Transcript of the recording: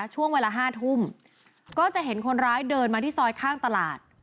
ช่วงเวลา๕ทุ่มก็จะเห็นคนร้ายเดินมาที่ซอยข้างตลาด